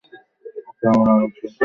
ওকে আমরা আরেকজন পেয়ে গেছি।